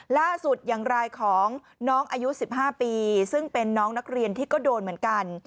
อย่างรายของน้องอายุ๑๕ปีซึ่งเป็นน้องนักเรียนที่ก็โดนเหมือนกัน